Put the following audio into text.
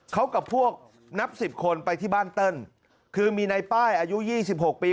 เขากับพวกนับสิบคนไปที่บ้านเติ้ลคือมีในป้ายอายุ๒๖ปี